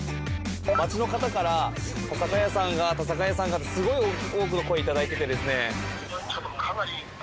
街の方から「田坂屋さんが田坂屋さんが」ってすごい多くの声頂いててですね。